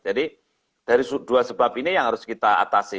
jadi dari dua sebab ini yang harus kita atasi